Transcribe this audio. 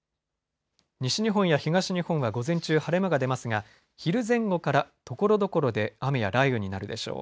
西日本や東日本は午前中晴れ間が出ますが昼前後からところどころで雨や雷雨になるでしょう。